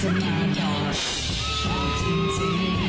ส่วนยังแบร์ดแซมแบร์ด